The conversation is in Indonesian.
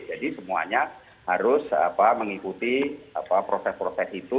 jadi semuanya harus mengikuti proses proses itu